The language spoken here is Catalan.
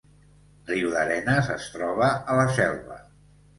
Riudarenes es troba a la Selva